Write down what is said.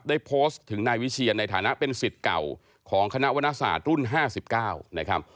ได้โพสต์ถึงนายวิเชียนในฐานะเป็นสิทธิ์เก่าของคณะวรรณศาสตร์รุ่น๕๙นะครับ